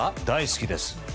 大好きです。